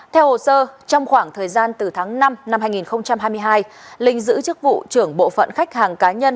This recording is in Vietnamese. theo hồ sơ trong khoảng thời gian từ tháng năm năm hai nghìn hai mươi hai linh giữ chức vụ trưởng bộ phận khách hàng cá nhân